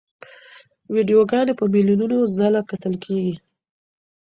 ویډیوګانې په میلیونو ځله کتل کېږي.